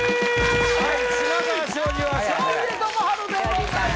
はい品川庄司は庄司智春でございます